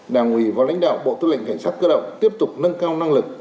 đảng ủy và lãnh đạo bộ tư lệnh cảnh sát cơ động tiếp tục nâng cao năng lực